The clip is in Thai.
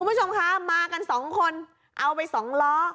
คุณผู้ชมคะมากันสองคนเอาไปสองล้อ